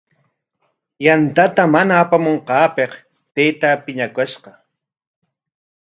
Yantata mana apamunqaapikmi taytaa piñakushqa.